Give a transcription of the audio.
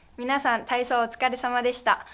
皆さん、体操お疲れさまでした。